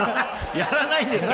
やらないんですか！